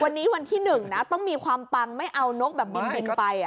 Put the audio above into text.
วันนี้วันที่๑นะต้องมีความปังไม่เอานกแบบบินไป